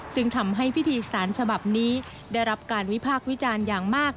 ซึ่งทำให้พิธีสารฉบับนี้ได้รับการวิพากษ์วิจารณ์อย่างมาก